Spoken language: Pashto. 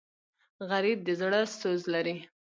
غریب د زړه سوز لري